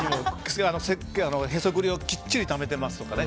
へそくりをきっちりためてますとかね。